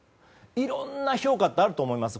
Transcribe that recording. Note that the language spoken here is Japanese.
いろんな評価があると思います。